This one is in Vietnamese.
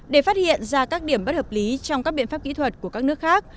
để phát hiện ra các điểm bất hợp lý trong các biện pháp kỹ thuật của các nước khác